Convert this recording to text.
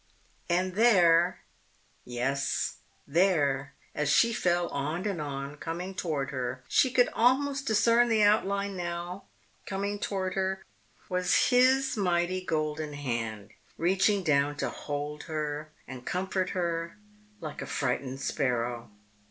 _ And there, yes, there, as she fell on and on, coming toward her, she could almost discern the outline now, coming toward her was His mighty golden hand, reaching down to hold her and comfort her like a frightened sparrow....